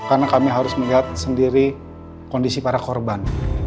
karena kami harus melihat sendiri kondisi para korban